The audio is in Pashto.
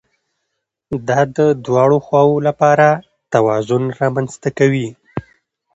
دا د دواړو خواوو لپاره توازن رامنځته کوي